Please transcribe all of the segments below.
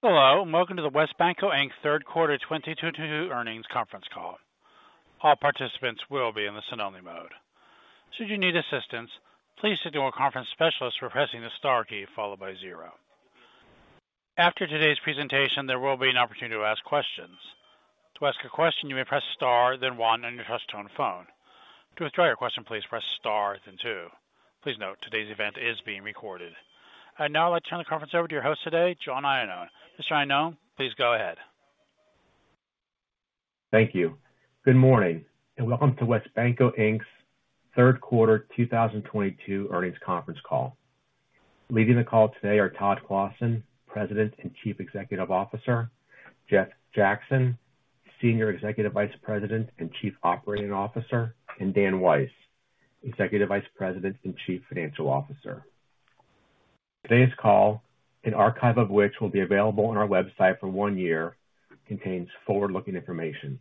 Hello, and welcome to the WesBanco, Inc. third quarter 2022 earnings conference call. All participants will be in the listen-only mode. Should you need assistance, please signal a conference specialist by pressing the star key followed by zero. After today's presentation, there will be an opportunity to ask questions. To ask a question, you may press star then one on your touch-tone phone. To withdraw your question, please press star then two. Please note, today's event is being recorded. I'd now like to turn the conference over to your host today, John Iannone. Mr. Iannone, please go ahead. Thank you. Good morning, and welcome to WesBanco, Inc.'s third quarter 2022 earnings conference call. Leading the call today are Todd Clossin, President and Chief Executive Officer, Jeff Jackson, Senior Executive Vice President and Chief Operating Officer, and Dan Weiss, Executive Vice President and Chief Financial Officer. Today's call, an archive of which will be available on our website for one year, contains forward-looking information.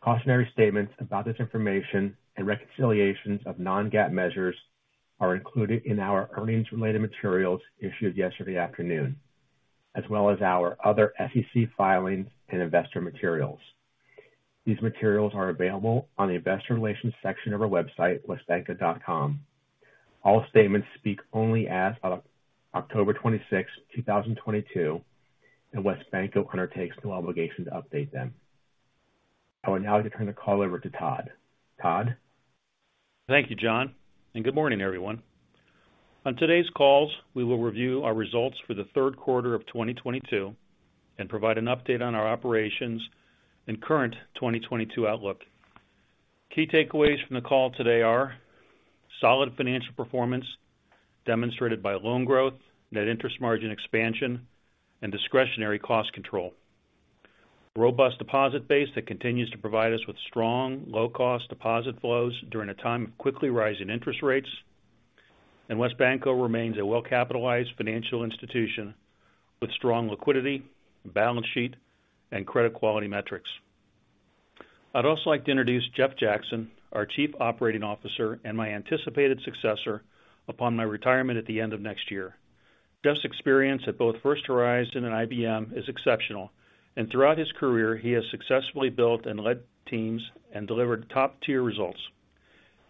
Cautionary statements about this information and reconciliations of non-GAAP measures are included in our earnings-related materials issued yesterday afternoon, as well as our other SEC filings and investor materials. These materials are available on the investor relations section of our website, wesbanco.com. All statements speak only as of October 26th, 2022, and WesBanco undertakes no obligation to update them. I would now like to turn the call over to Todd. Todd? Thank you, John, and good morning, everyone. On today's call, we will review our results for the third quarter of 2022 and provide an update on our operations and current 2022 outlook. Key takeaways from the call today are solid financial performance demonstrated by loan growth, net interest margin expansion, and discretionary cost control. Robust deposit base that continues to provide us with strong low-cost deposit flows during a time of quickly rising interest rates. WesBanco remains a well-capitalized financial institution with strong liquidity, balance sheet, and credit quality metrics. I'd also like to introduce Jeff Jackson, our Chief Operating Officer and my anticipated successor upon my retirement at the end of next year. Jeff's experience at both First Horizon and IBM is exceptional. Throughout his career, he has successfully built and led teams and delivered top-tier results.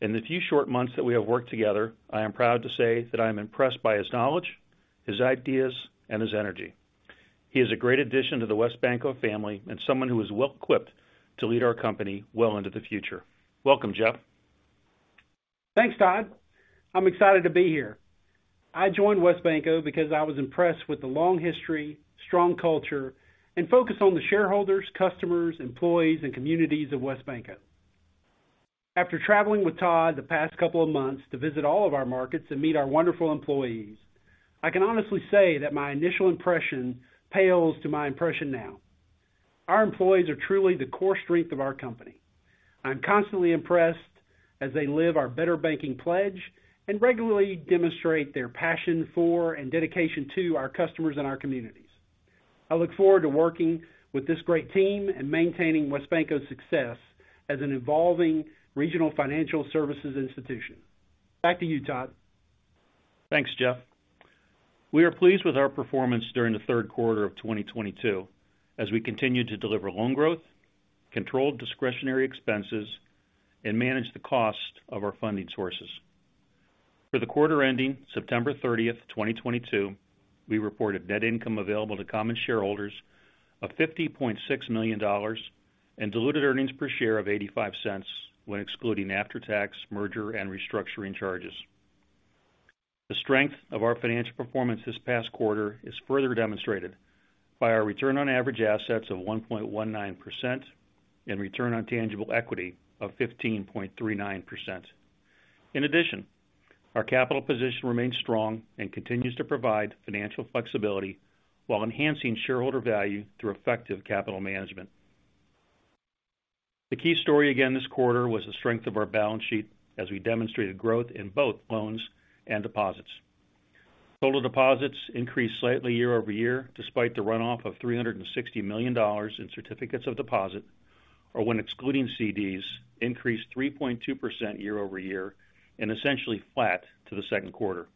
In the few short months that we have worked together, I am proud to say that I am impressed by his knowledge, his ideas, and his energy. He is a great addition to the WesBanco family and someone who is well equipped to lead our company well into the future. Welcome, Jeff. Thanks, Todd. I'm excited to be here. I joined WesBanco because I was impressed with the long history, strong culture, and focus on the shareholders, customers, employees, and communities of WesBanco. After traveling with Todd the past couple of months to visit all of our markets and meet our wonderful employees, I can honestly say that my initial impression pales to my impression now. Our employees are truly the core strength of our company. I'm constantly impressed as they live our better banking pledge and regularly demonstrate their passion for and dedication to our customers and our communities. I look forward to working with this great team and maintaining WesBanco's success as an evolving regional financial services institution. Back to you, Todd. Thanks, Jeff. We are pleased with our performance during the third quarter of 2022 as we continue to deliver loan growth, controlled discretionary expenses, and manage the cost of our funding sources. For the quarter ending September 30, 2022, we reported net income available to common shareholders of $50.6 million and diluted earnings per share of $0.85 when excluding after-tax merger and restructuring charges. The strength of our financial performance this past quarter is further demonstrated by our return on average assets of 1.19% and return on tangible equity of 15.39%. In addition, our capital position remains strong and continues to provide financial flexibility while enhancing shareholder value through effective capital management. The key story again this quarter was the strength of our balance sheet as we demonstrated growth in both loans and deposits. Total deposits increased slightly year-over-year, despite the runoff of $360 million in certificates of deposit, or when excluding CDs, increased 3.2% year-over-year, and essentially flat to the second quarter.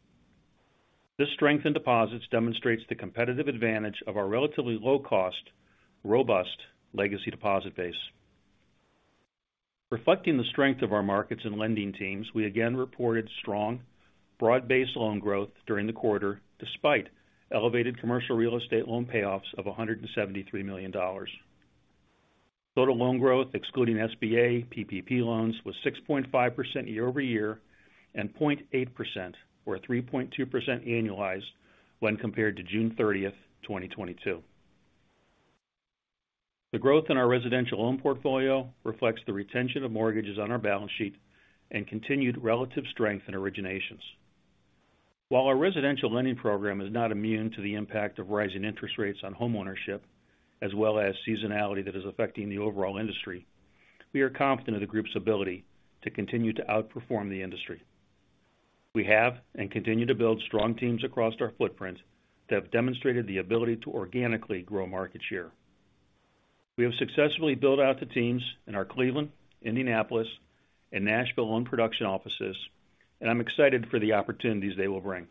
This strength in deposits demonstrates the competitive advantage of our relatively low cost, robust legacy deposit base. Reflecting the strength of our markets and lending teams, we again reported strong, broad-based loan growth during the quarter, despite elevated commercial real estate loan payoffs of $173 million. Total loan growth excluding SBA, PPP loans was 6.5% year-over-year and 0.8% or 3.2% annualized when compared to June 30th, 2022. The growth in our residential loan portfolio reflects the retention of mortgages on our balance sheet and continued relative strength in originations. While our residential lending program is not immune to the impact of rising interest rates on homeownership, as well as seasonality that is affecting the overall industry, we are confident of the group's ability to continue to outperform the industry. We have and continue to build strong teams across our footprint that have demonstrated the ability to organically grow market share. We have successfully built out the teams in our Cleveland, Indianapolis, and Nashville loan production offices, and I'm excited for the opportunities they will bring.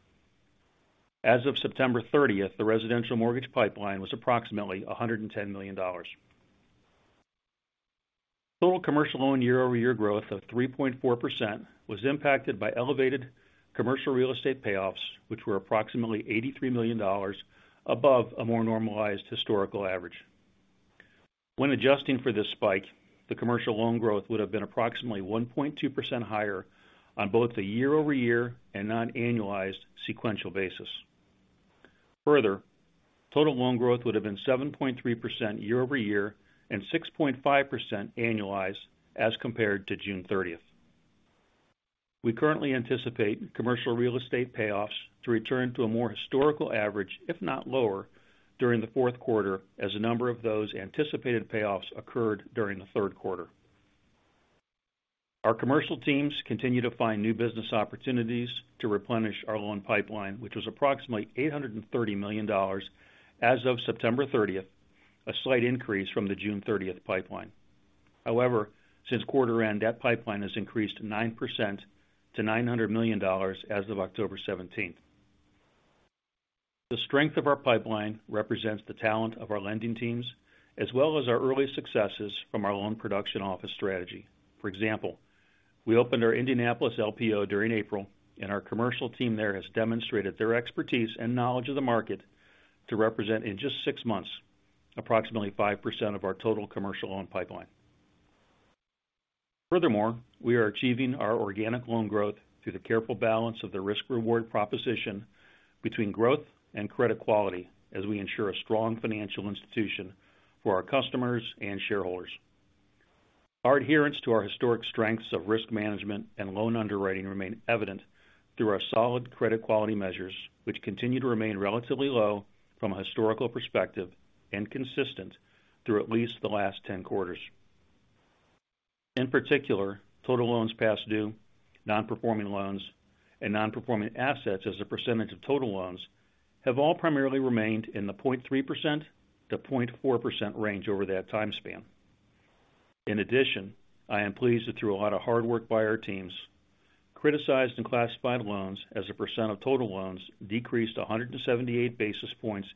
As of September thirtieth, the residential mortgage pipeline was approximately $110 million. Total commercial loan year-over-year growth of 3.4% was impacted by elevated commercial real estate payoffs, which were approximately $83 million above a more normalized historical average. When adjusting for this spike, the commercial loan growth would have been approximately 1.2% higher on both the year-over-year and non-annualized sequential basis. Further, total loan growth would have been 7.3% year-over-year and 6.5% annualized as compared to June 30. We currently anticipate commercial real estate payoffs to return to a more historical average, if not lower, during the fourth quarter as a number of those anticipated payoffs occurred during the third quarter. Our commercial teams continue to find new business opportunities to replenish our loan pipeline, which was approximately $830 million as of September 30, a slight increase from the June 30 pipeline. However, since quarter end, that pipeline has increased 9% to $900 million as of October 17. The strength of our pipeline represents the talent of our lending teams as well as our early successes from our loan production office strategy. For example, we opened our Indianapolis LPO during April, and our commercial team there has demonstrated their expertise and knowledge of the market to represent in just six months, approximately 5% of our total commercial loan pipeline. Furthermore, we are achieving our organic loan growth through the careful balance of the risk reward proposition between growth and credit quality as we ensure a strong financial institution for our customers and shareholders. Our adherence to our historic strengths of risk management and loan underwriting remain evident through our solid credit quality measures, which continue to remain relatively low from a historical perspective and consistent through at least the last 10 quarters. In particular, total loans past due, non-performing loans, and non-performing assets as a percentage of total loans have all primarily remained in the 0.3%-0.4% range over that time span. In addition, I am pleased that through a lot of hard work by our teams, criticized and classified loans as a percent of total loans decreased 178 basis points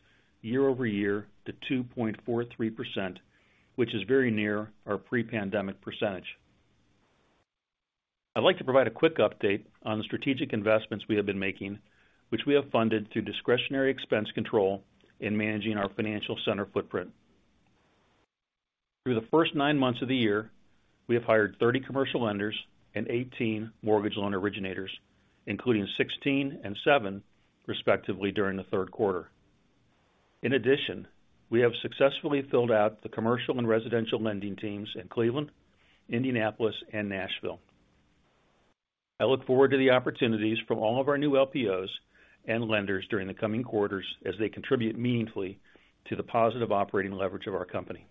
year-over-year to 2.43%, which is very near our pre-pandemic percentage. I'd like to provide a quick update on the strategic investments we have been making, which we have funded through discretionary expense control in managing our financial center footprint. Through the first 9 months of the year, we have hired 30 commercial lenders and 18 mortgage loan originators, including 16 and 7, respectively, during the third quarter. In addition, we have successfully filled out the commercial and residential lending teams in Cleveland, Indianapolis, and Nashville. I look forward to the opportunities from all of our new LPOs and lenders during the coming quarters as they contribute meaningfully to the positive operating leverage of our company.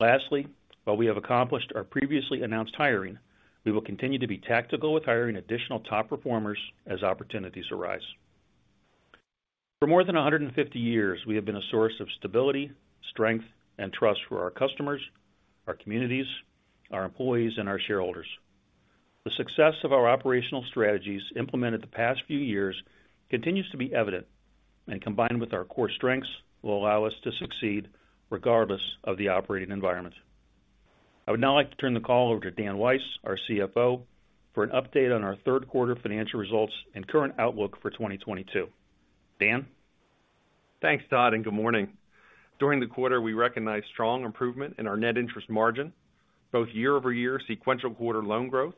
Lastly, while we have accomplished our previously announced hiring, we will continue to be tactical with hiring additional top performers as opportunities arise. For more than 150 years, we have been a source of stability, strength, and trust for our customers, our communities, our employees, and our shareholders. The success of our operational strategies implemented the past few years continues to be evident, and combined with our core strengths, will allow us to succeed regardless of the operating environment. I would now like to turn the call over to Daniel Weiss, our CFO, for an update on our third quarter financial results and current outlook for 2022. Dan? Thanks, Todd, and good morning. During the quarter, we recognized strong improvement in our net interest margin, both year-over-year sequential quarter loan growth,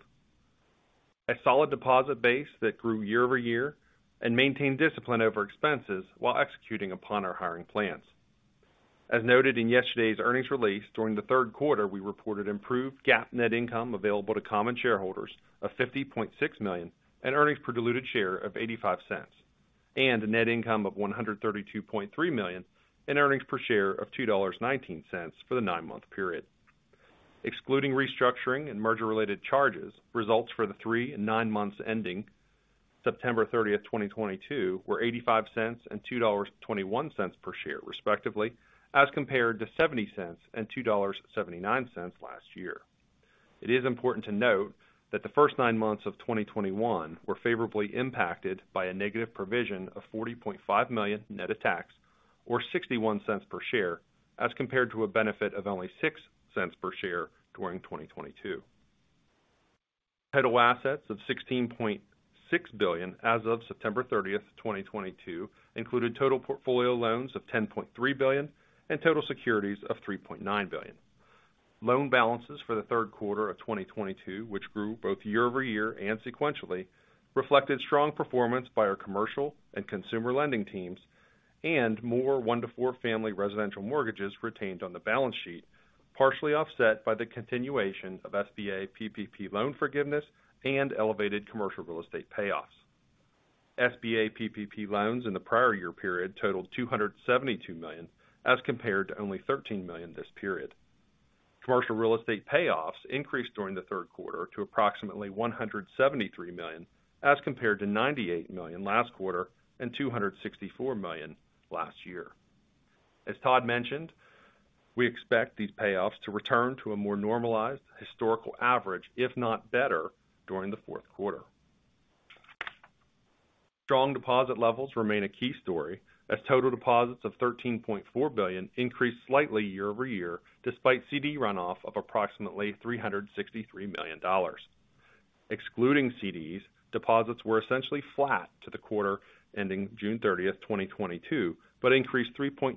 a solid deposit base that grew year-over-year and maintained discipline over expenses while executing upon our hiring plans. As noted in yesterday's earnings release, during the third quarter, we reported improved GAAP net income available to common shareholders of $50.6 million and earnings per diluted share of $0.85, and a net income of $132.3 million in earnings per share of $2.19 for the nine-month period. Excluding restructuring and merger related charges, results for the three and nine months ending September 30, 2022 were $0.85 and $2.21 per share, respectively, as compared to $0.70 and $2.79 last year. It is important to note that the first nine months of 2021 were favorably impacted by a negative provision of $40.5 million net of tax or $0.61 per share, as compared to a benefit of only $0.06 per share during 2022. Total assets of $16.6 billion as of September 30, 2022 included total portfolio loans of $10.3 billion and total securities of $3.9 billion. Loan balances for the third quarter of 2022, which grew both year-over-year and sequentially, reflected strong performance by our commercial and consumer lending teams and more 1-4 family residential mortgages retained on the balance sheet, partially offset by the continuation of SBA PPP loan forgiveness and elevated commercial real estate payoffs. SBA PPP loans in the prior year period totaled $272 million, as compared to only $13 million this period. Commercial real estate payoffs increased during the third quarter to approximately $173 million, as compared to $98 million last quarter and $264 million last year. As Todd mentioned, we expect these payoffs to return to a more normalized historical average, if not better during the fourth quarter. Strong deposit levels remain a key story as total deposits of $13.4 billion increased slightly year-over-year despite CD runoff of approximately $363 million. Excluding CDs, deposits were essentially flat to the quarter ending June 30, 2022, but increased 3.2%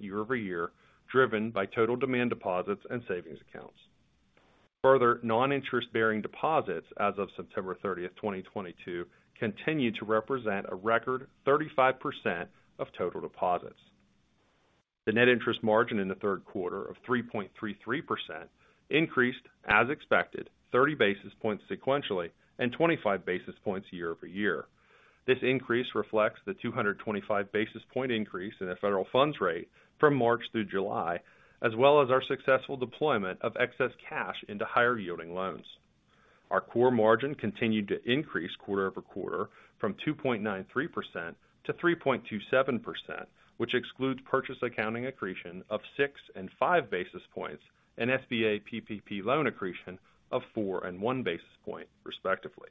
year-over-year, driven by total demand deposits and savings accounts. Further, non-interest bearing deposits as of September 30, 2022 continue to represent a record 35% of total deposits. The net interest margin in the third quarter of 3.33% increased as expected, 30 basis points sequentially and 25 basis points year-over-year. This increase reflects the 225 basis point increase in the federal funds rate from March through July, as well as our successful deployment of excess cash into higher yielding loans. Our core margin continued to increase quarter-over-quarter from 2.93% to 3.27%, which excludes purchase accounting accretion of 6 and 5 basis points and SBA PPP loan accretion of 4 and 1 basis point respectively.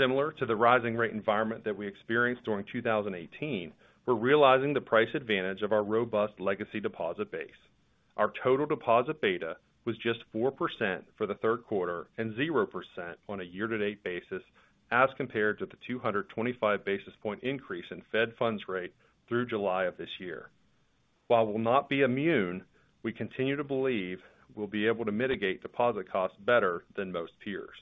Similar to the rising rate environment that we experienced during 2018, we're realizing the price advantage of our robust legacy deposit base. Our total deposit beta was just 4% for the third quarter and 0% on a year-to-date basis as compared to the 225 basis point increase in Fed funds rate through July of this year. While we'll not be immune, we continue to believe we'll be able to mitigate deposit costs better than most peers.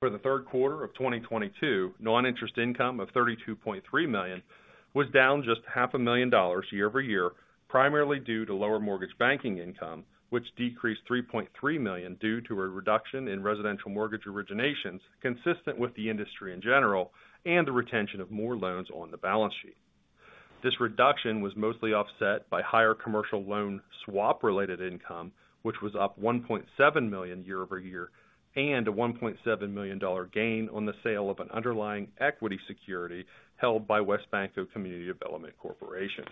For the third quarter of 2022, non-interest income of $32.3 million was down just half a million dollars year over year, primarily due to lower mortgage banking income, which decreased $3.3 million due to a reduction in residential mortgage originations consistent with the industry in general and the retention of more loans on the balance sheet. This reduction was mostly offset by higher commercial loan swap related income, which was up $1.7 million year-over-year, and a $1.7 million gain on the sale of an underlying equity security held by WesBanco Bank Community Development Corporation.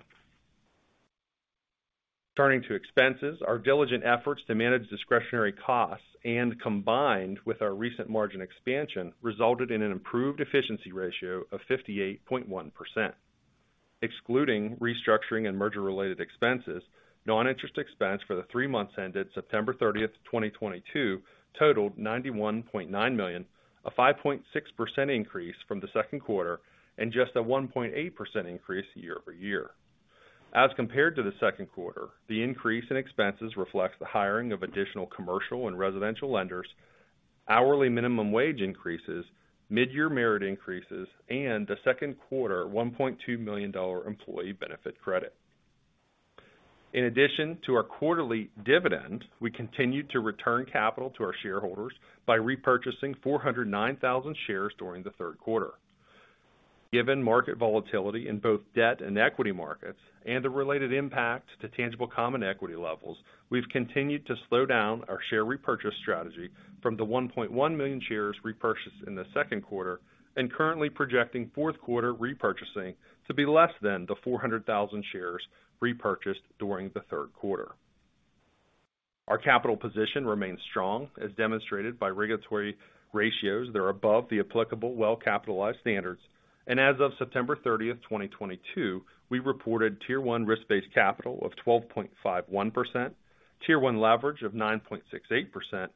Turning to expenses, our diligent efforts to manage discretionary costs and combined with our recent margin expansion resulted in an improved efficiency ratio of 58.1%. Excluding restructuring and merger related expenses, non-interest expense for the three months ended September 30, 2022 totaled $91.9 million, a 5.6% increase from the second quarter, and just a 1.8% increase year-over-year. As compared to the second quarter, the increase in expenses reflects the hiring of additional commercial and residential lenders, hourly minimum wage increases, mid-year merit increases, and the second quarter $1.2 million employee benefit credit. In addition to our quarterly dividend, we continued to return capital to our shareholders by repurchasing 409,000 shares during the third quarter. Given market volatility in both debt and equity markets and the related impact to tangible common equity levels, we've continued to slow down our share repurchase strategy from the 1.1 million shares repurchased in the second quarter and currently projecting fourth quarter repurchasing to be less than the 400,000 shares repurchased during the third quarter. Our capital position remains strong, as demonstrated by regulatory ratios that are above the applicable well-capitalized standards. As of September 30, 2022, we reported Tier 1 risk-based capital of 12.51%, Tier 1 leverage of 9.68%,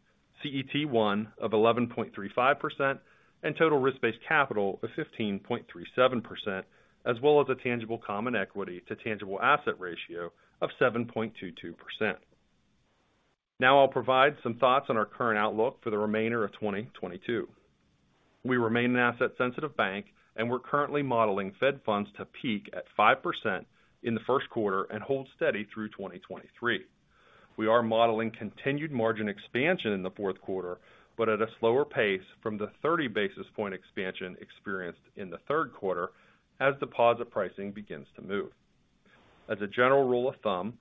CET1 of 11.35%, and total risk-based capital of 15.37%, as well as a tangible common equity to tangible assets ratio of 7.22%. Now, I'll provide some thoughts on our current outlook for the remainder of 2022. We remain an asset-sensitive bank and we're currently modeling Fed funds to peak at 5% in the first quarter and hold steady through 2023. We are modeling continued margin expansion in the fourth quarter, but at a slower pace from the 30 basis point expansion experienced in the third quarter as deposit pricing begins to move. As a general rule of thumb,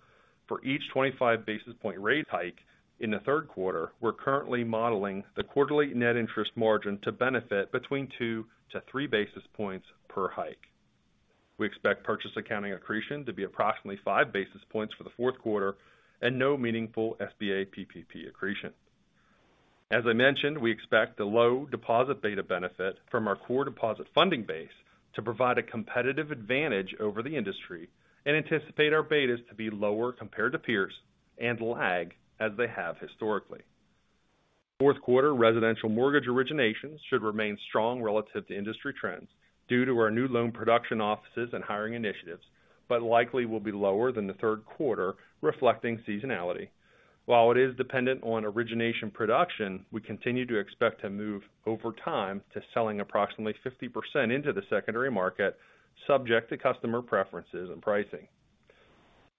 for each 25 basis point rate hike in the third quarter, we're currently modeling the quarterly net interest margin to benefit between 2-3 basis points per hike. We expect purchase accounting accretion to be approximately 5 basis points for the fourth quarter and no meaningful SBA PPP accretion. As I mentioned, we expect the low deposit beta benefit from our core deposit funding base to provide a competitive advantage over the industry and anticipate our betas to be lower compared to peers and lag as they have historically. Fourth quarter residential mortgage originations should remain strong relative to industry trends due to our new loan production offices and hiring initiatives, but likely will be lower than the third quarter, reflecting seasonality. While it is dependent on origination production, we continue to expect to move over time to selling approximately 50% into the secondary market, subject to customer preferences and pricing.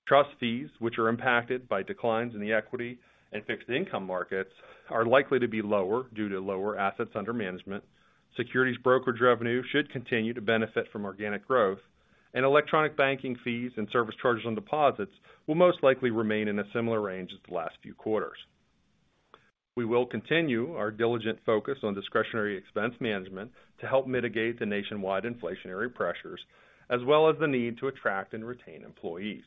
Trust fees which are impacted by declines in the equity and fixed income markets are likely to be lower due to lower assets under management. Securities brokerage revenue should continue to benefit from organic growth and electronic banking fees and service charges on deposits will most likely remain in a similar range as the last few quarters. We will continue our diligent focus on discretionary expense management to help mitigate the nationwide inflationary pressures, as well as the need to attract and retain employees.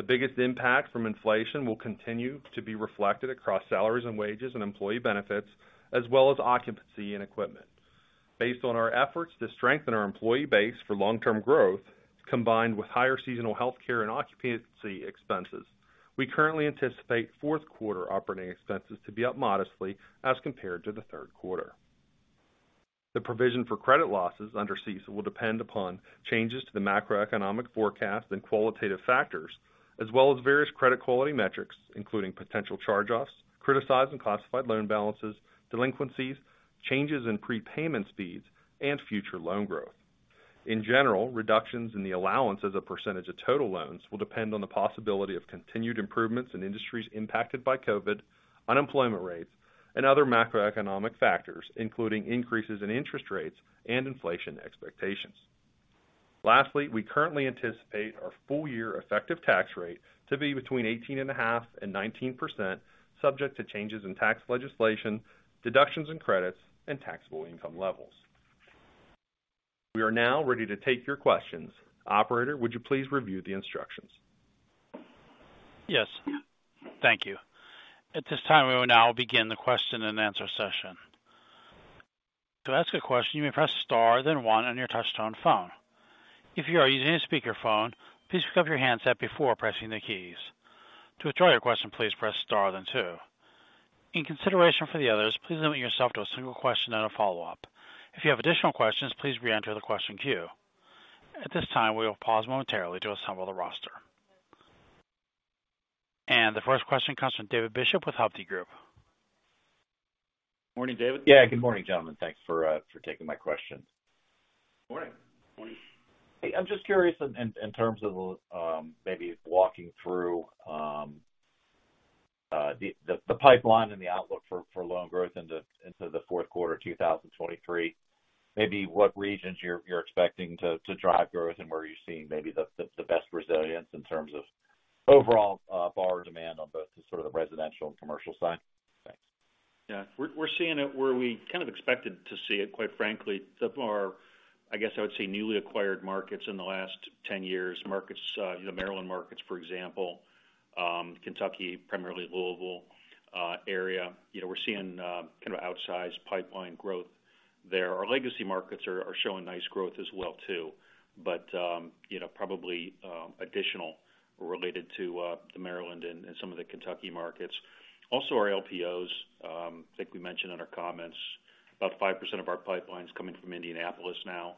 The biggest impact from inflation will continue to be reflected across salaries and wages and employee benefits, as well as occupancy and equipment. Based on our efforts to strengthen our employee base for long-term growth, combined with higher seasonal health care and occupancy expenses, we currently anticipate fourth quarter operating expenses to be up modestly as compared to the third quarter. The provision for credit losses under CECL will depend upon changes to the macroeconomic forecast and qualitative factors, as well as various credit quality metrics, including potential charge-offs, criticized and classified loan balances, delinquencies, changes in prepayment speeds, and future loan growth. In general, reductions in the allowance as a percentage of total loans will depend on the possibility of continued improvements in industries impacted by COVID, unemployment rates, and other macroeconomic factors, including increases in interest rates and inflation expectations. Lastly, we currently anticipate our full year effective tax rate to be between 18.5% and 19% subject to changes in tax legislation, deductions and credits, and taxable income levels. We are now ready to take your questions. Operator, would you please review the instructions? Yes. Thank you. At this time, we will now begin the question-and-answer session. To ask a question, you may press star, then one on your touchtone phone. If you are using a speakerphone, please pick up your handset before pressing the keys. To withdraw your question, please press star then two. In consideration for the others, please limit yourself to a single question and a follow-up. If you have additional questions, please reenter the question queue. At this time, we will pause momentarily to assemble the roster. The first question comes from David Bishop with Hovde Group. Morning, David. Yeah. Good morning, gentlemen. Thanks for taking my question. Morning. Morning. Hey, I'm just curious in terms of maybe walking through the pipeline and the outlook for loan growth into the fourth quarter 2023. Maybe what regions you're expecting to drive growth and where you're seeing maybe the best resilience in terms of overall borrower demand on both the sort of residential and commercial side? Thanks. Yeah. We're seeing it where we kind of expected to see it, quite frankly, so far. I guess I would say newly acquired markets in the last 10 years, markets, you know, Maryland markets, for example, Kentucky, primarily Louisville area. You know, we're seeing kind of outsized pipeline growth there. Our legacy markets are showing nice growth as well, too. You know, probably additional related to the Maryland and some of the Kentucky markets. Also our LPOs. I think we mentioned in our comments, about 5% of our pipeline's coming from Indianapolis now,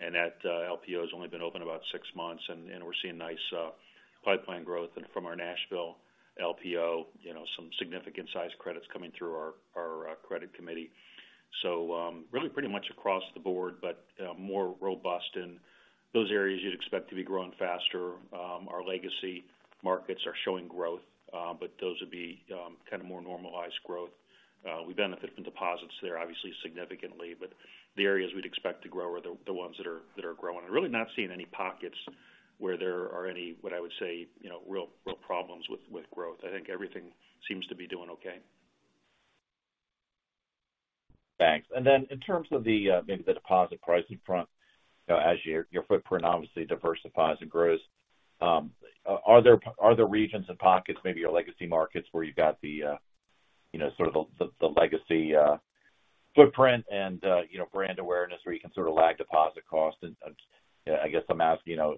and that LPO has only been open about six months, and we're seeing nice pipeline growth. From our Nashville LPO, you know, some significant size credits coming through our credit committee. Really pretty much across the board, but more robust in those areas you'd expect to be growing faster. Our legacy markets are showing growth, but those would be kind of more normalized growth. We benefit from deposits there, obviously significantly, but the areas we'd expect to grow are the ones that are growing. Really not seeing any pockets where there are any, what I would say, you know, real problems with growth. I think everything seems to be doing okay. Thanks. In terms of the deposit pricing front, you know, as your footprint obviously diversifies and grows, are there regions and pockets, maybe your legacy markets, where you've got you know, sort of the legacy footprint and you know, brand awareness where you can sort of lag deposit costs? I guess I'm asking, you know,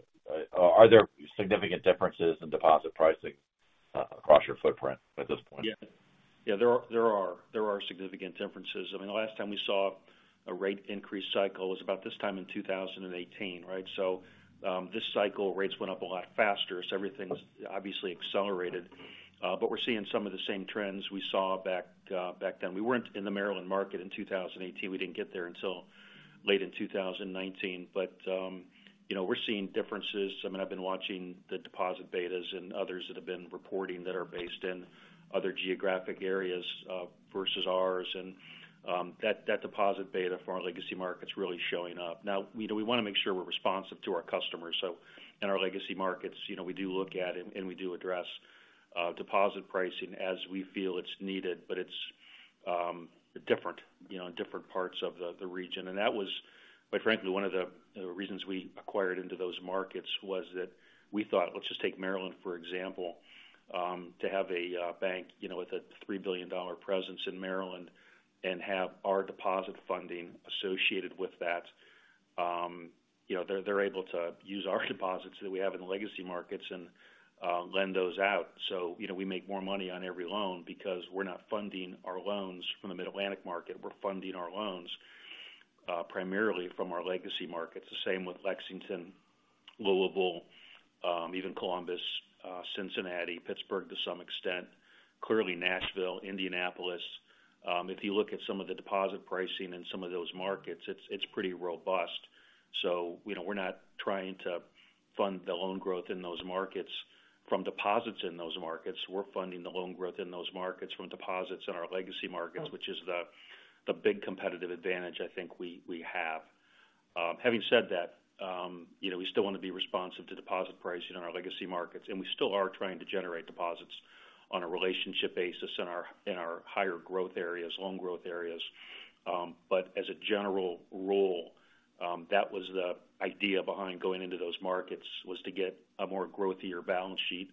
are there significant differences in deposit pricing across your footprint at this point? Yeah. Yeah, there are significant differences. I mean, the last time we saw a rate increase cycle was about this time in 2018, right? This cycle rates went up a lot faster, so everything's obviously accelerated. We're seeing some of the same trends we saw back then. We weren't in the Maryland market in 2018. We didn't get there until late in 2019. You know, we're seeing differences. I mean, I've been watching the deposit betas and others that have been reporting that are based in other geographic areas versus ours. That deposit beta for our legacy market's really showing up. Now, you know, we wanna make sure we're responsive to our customers, so in our legacy markets, you know, we do look at and we do address deposit pricing as we feel it's needed. But it's different, you know, in different parts of the region. That was, quite frankly, one of the reasons we acquired into those markets was that we thought, let's just take Maryland, for example, to have a bank, you know, with a $3 billion presence in Maryland and have our deposit funding associated with that. You know, they're able to use our deposits that we have in the legacy markets and lend those out. So, you know, we make more money on every loan because we're not funding our loans from the Mid-Atlantic market. We're funding our loans primarily from our legacy markets. The same with Lexington, Louisville, even Columbus, Cincinnati, Pittsburgh to some extent, clearly Nashville, Indianapolis. If you look at some of the deposit pricing in some of those markets, it's pretty robust. You know, we're not trying to fund the loan growth in those markets from deposits in those markets. We're funding the loan growth in those markets from deposits in our legacy markets, which is the big competitive advantage I think we have. Having said that, you know, we still want to be responsive to deposit pricing in our legacy markets, and we still are trying to generate deposits on a relationship basis in our higher growth areas, loan growth areas. As a general rule, that was the idea behind going into those markets, was to get a more growthier balance sheet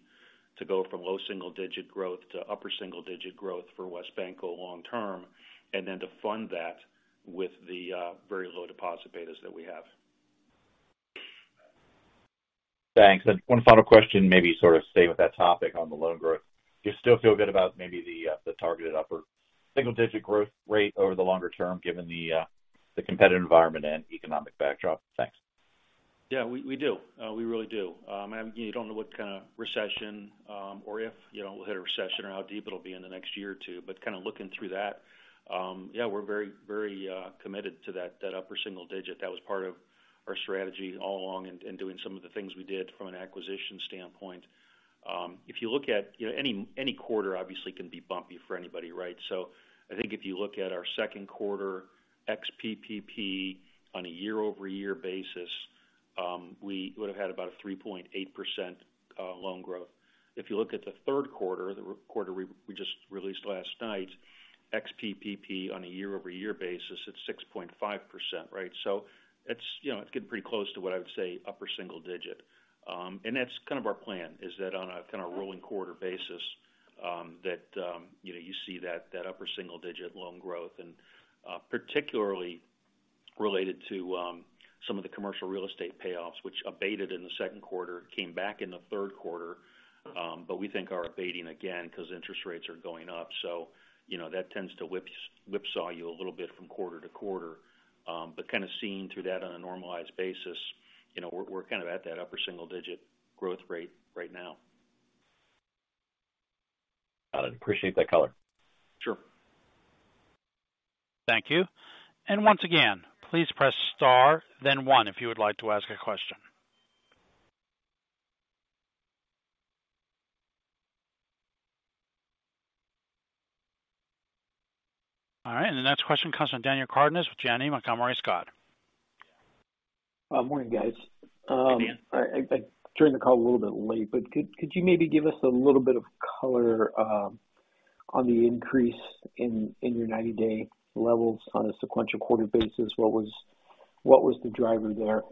to go from low single digit growth to upper single digit growth for WesBanco, go long term, and then to fund that with the very low deposit betas that we have. Thanks. One final question, maybe sort of stay with that topic on the loan growth. Do you still feel good about maybe the targeted upper single digit growth rate over the longer term given the competitive environment and economic backdrop? Thanks. Yeah, we do. We really do. I mean, you don't know what kind of recession or if, you know, we'll hit a recession or how deep it'll be in the next year or two, but kind of looking through that, yeah, we're very committed to that upper single digit. That was part of our strategy all along and doing some of the things we did from an acquisition standpoint. If you look at, you know, any quarter obviously can be bumpy for anybody, right? So I think if you look at our second quarter ex PPP on a year-over-year basis, we would've had about a 3.8% loan growth. If you look at the third quarter, the quarter we just released last night, ex PPP on a year-over-year basis, it's 6.5%, right? It's, you know, it's getting pretty close to what I would say upper single digit. That's kind of our plan, is that on a kind of rolling quarter basis, that, you know, you see that upper single digit loan growth and, particularly related to, some of the commercial real estate payoffs which abated in the second quarter, came back in the third quarter, but we think are abating again because interest rates are going up. You know, that tends to whipsaw you a little bit from quarter to quarter. Kind of seeing through that on a normalized basis, you know, we're kind of at that upper single digit growth rate right now. Got it. Appreciate that color. Sure. Thank you. Once again, please press Star then one if you would like to ask a question. All right, and the next question comes from Daniel Cardenas with Janney Montgomery Scott. Morning, guys. Hey, Dan. I joined the call a little bit late, but could you maybe give us a little bit of color on the increase in your 90-day levels on a sequential quarter basis? What was the driver there?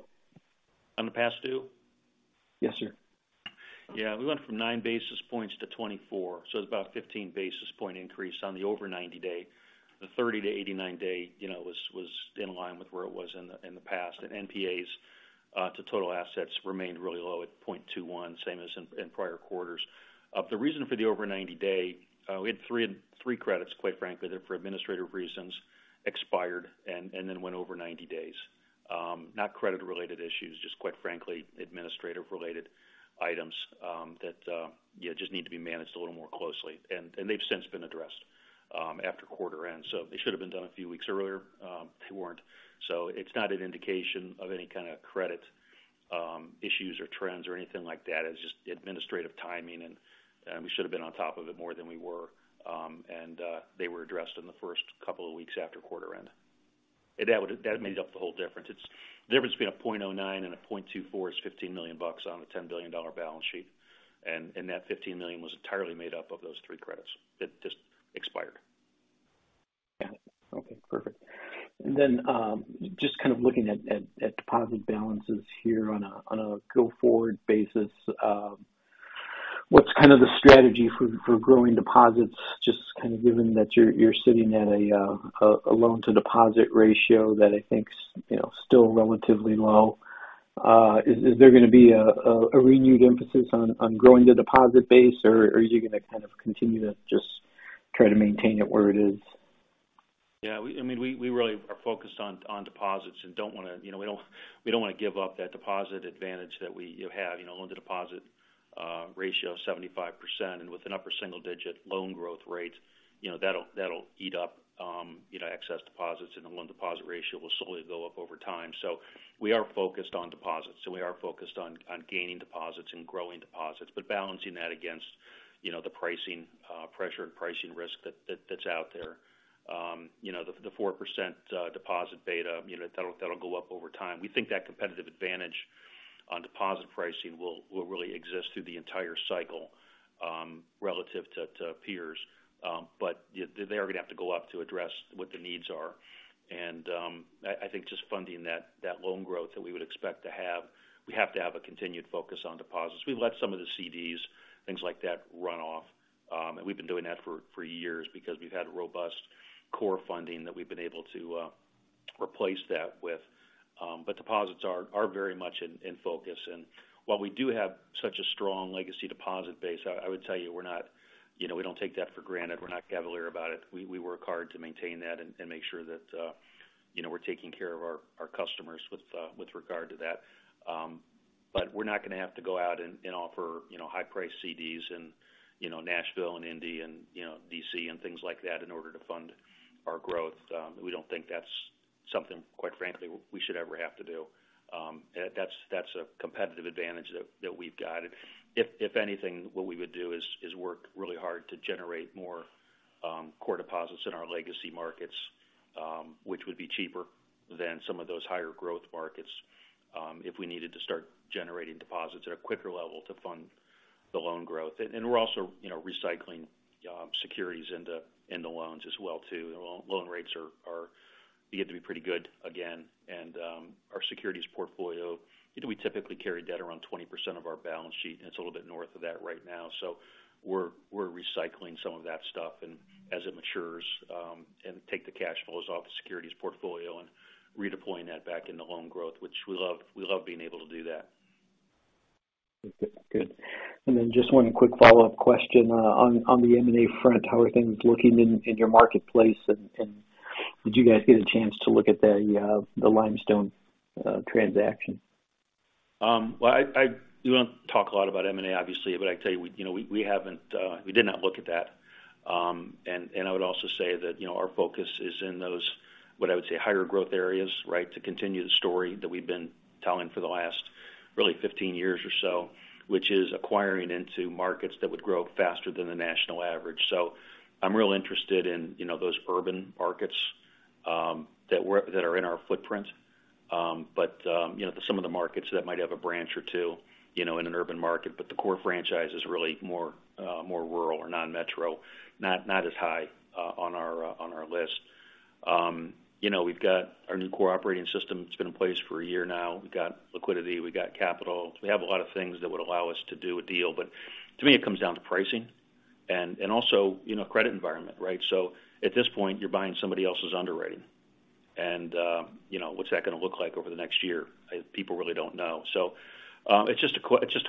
On the past due? Yes, sir. Yeah. We went from 9 basis points to 24, so it's about 15 basis point increase on the over 90-day. The 30- to 89-day, you know, was in line with where it was in the past. NPAs to total assets remained really low at 0.21, same as in prior quarters. The reason for the over 90-day, we had three credits, quite frankly, that for administrative reasons, expired and then went over 90 days. Not credit related issues, just quite frankly, administrative related items, yeah, just need to be managed a little more closely. They've since been addressed after quarter end. They should have been done a few weeks earlier, they weren't. It's not an indication of any kind of credit issues or trends or anything like that. It's just administrative timing and we should have been on top of it more than we were. They were addressed in the first couple of weeks after quarter end. That made up the whole difference. It's the difference between 0.09 and 0.24, which is $15 million on a $10 billion balance sheet. That $15 million was entirely made up of those three credits that just expired. Got it. Okay, perfect. Just kind of looking at deposit balances here on a go-forward basis, what's kind of the strategy for growing deposits, just kind of given that you're sitting at a loan to deposit ratio that I think's, you know, still relatively low? Is there gonna be a renewed emphasis on growing the deposit base or are you gonna kind of continue to just try to maintain it where it is? Yeah, I mean, we really are focused on deposits and don't wanna, you know, give up that deposit advantage that we have, you know, loan to deposit ratio 75%. With an upper single digit loan growth rate, you know, that'll eat up, you know, excess deposits, and the loan deposit ratio will slowly go up over time. We are focused on deposits, and we are focused on gaining deposits and growing deposits, but balancing that against, you know, the pricing pressure and pricing risk that's out there. You know, the 4% deposit beta, you know, that'll go up over time. We think that competitive advantage on deposit pricing will really exist through the entire cycle, relative to peers. Yeah, they are gonna have to go up to address what the needs are. I think just funding that loan growth that we would expect to have, we have to have a continued focus on deposits. We've let some of the CDs, things like that, run off. We've been doing that for years because we've had robust core funding that we've been able to replace that with. Deposits are very much in focus. While we do have such a strong legacy deposit base, I would tell you we're not, you know, we don't take that for granted. We're not cavalier about it. We work hard to maintain that and make sure that, you know, we're taking care of our customers with regard to that. We're not gonna have to go out and offer, you know, high price CDs in, you know, Nashville and Indy and, you know, DC and things like that in order to fund our growth. We don't think that's something, quite frankly, we should ever have to do. That's a competitive advantage that we've got. If anything, what we would do is work really hard to generate more core deposits in our legacy markets, which would be cheaper than some of those higher growth markets, if we needed to start generating deposits at a quicker level to fund the loan growth. We're also, you know, recycling securities into loans as well too. Loan rates are beginning to be pretty good again. Our securities portfolio, you know, we typically carry debt around 20% of our balance sheet, and it's a little bit north of that right now. We're recycling some of that stuff and as it matures, and take the cash flows off the securities portfolio and redeploying that back into loan growth, which we love being able to do that. Good. Just one quick follow-up question on the M&A front. How are things looking in your marketplace? Did you guys get a chance to look at the Limestone transaction? Well, we don't talk a lot about M&A, obviously, but I can tell you know, we haven't, we did not look at that. I would also say that, you know, our focus is in those, what I would say, higher growth areas, right? To continue the story that we've been telling for the last really 15 years or so, which is acquiring into markets that would grow faster than the national average. I'm real interested in, you know, those urban markets that are in our footprint. You know, some of the markets that might have a branch or two, you know, in an urban market. The core franchise is really more rural or non-metro, not as high on our list. You know, we've got our new core operating system that's been in place for a year now. We've got liquidity, we've got capital. We have a lot of things that would allow us to do a deal. To me, it comes down to pricing and also, you know, credit environment, right? At this point, you're buying somebody else's underwriting. You know, what's that gonna look like over the next year? People really don't know. It's just a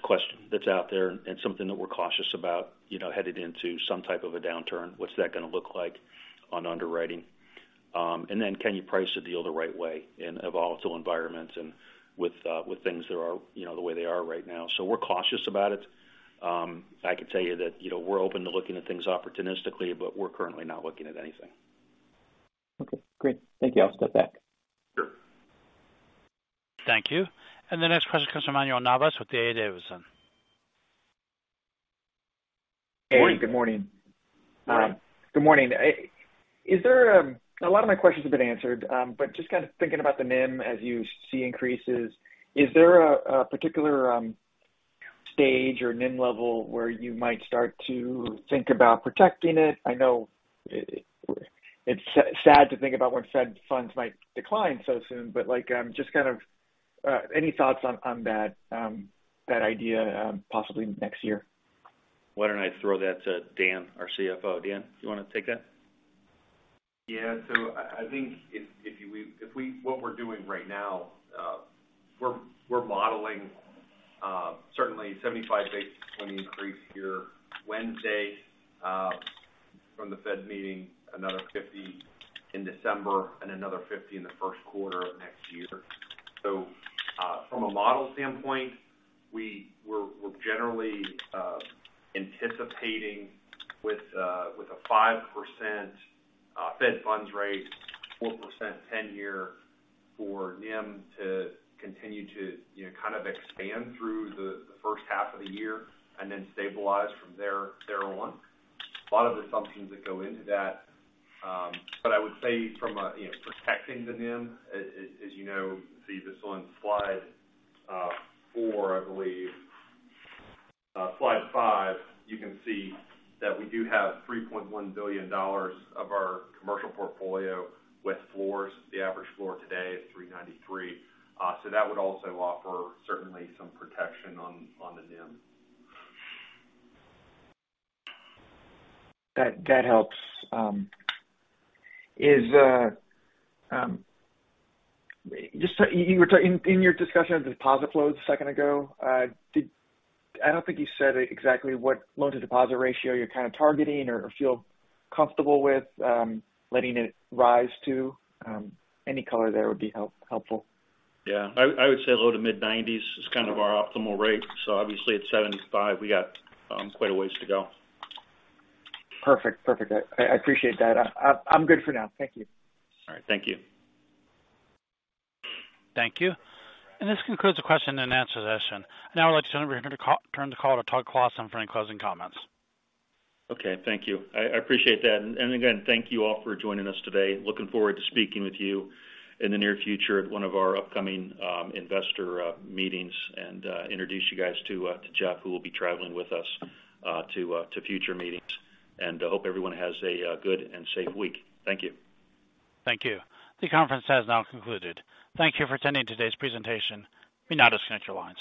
question that's out there and something that we're cautious about, you know, headed into some type of a downturn. What's that gonna look like on underwriting? Then can you price a deal the right way in a volatile environment and with things that are, you know, the way they are right now? We're cautious about it. I can tell you that, you know, we're open to looking at things opportunistically, but we're currently not looking at anything. Okay, great. Thank you. I'll step back. Sure. Thank you. The next question comes from Manuel Navas with D.A. Davidson. Morning. Good morning. A lot of my questions have been answered, but just kind of thinking about the NIM as you see increases, is there a particular stage or NIM level where you might start to think about protecting it? I know it's sad to think about when Fed funds might decline so soon, but like, just kind of any thoughts on that idea, possibly next year? Why don't I throw that to Dan, our CFO? Dan, do you wanna take that? I think what we're doing right now, we're modeling certainly 75-80 increase here Wednesday, from the Fed meeting, another 50 in December and another 50 in the first quarter of next year. From a model standpoint, we're generally anticipating with a 5% Fed funds rate, 4% ten-year for NIM to continue to, you know, kind of expand through the first half of the year and then stabilize from there, thereon. A lot of assumptions that go into that. I would say from a, you know, protecting the NIM, as you know, see this on slide four, I believe. Slide five, you can see that we do have $3.1 billion of our commercial portfolio with floors. The average floor today is 3.93%. That would also offer certainly some protection on the NIM. That helps. Just so you were in your discussion of deposit flows a second ago, I don't think you said exactly what loan to deposit ratio you're kind of targeting or feel comfortable with letting it rise to. Any color there would be helpful. I would say low- to mid-90s% is kind of our optimal rate. Obviously at 75%, we got quite a ways to go. Perfect. I appreciate that. I'm good for now. Thank you. All right. Thank you. Thank you. This concludes the question and answer session. Now I would like to turn the call to Todd Clossin for any closing comments. Okay, thank you. I appreciate that. Again, thank you all for joining us today. Looking forward to speaking with you in the near future at one of our upcoming investor meetings and introduce you guys to Jeff, who will be traveling with us to future meetings. I hope everyone has a good and safe week. Thank you. Thank you. The conference has now concluded. Thank you for attending today's presentation, WesBanco.